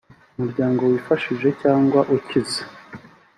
umuryango wifashije cyangwa ukize